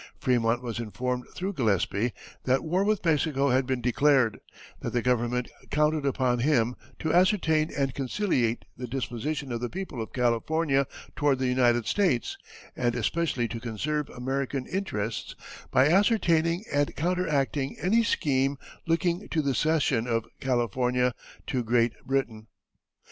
Frémont was informed through Gillespie that war with Mexico had been declared, that the government counted upon him to ascertain and conciliate the disposition of the people of California toward the United States, and especially to conserve American interests by ascertaining and counteracting any scheme looking to the cession of California to Great Britain.